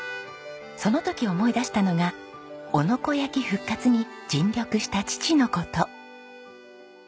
その時思い出したのが男ノ子焼復活に尽力した父の事。